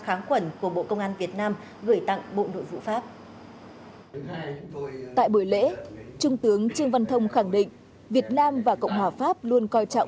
tại buổi lễ trung tướng trương văn thông khẳng định việt nam và cộng hòa pháp luôn coi trọng